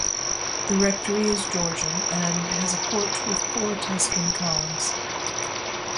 The rectory is Georgian and has a porch with four Tuscan columns.